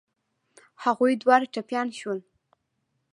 هغوی دواړه ټپيان شول.